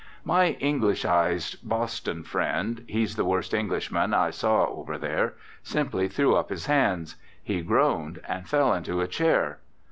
My Englishised Boston friend he's the worst Englishman I saw over there simply threw up his hands. He groaned and fell into a chair.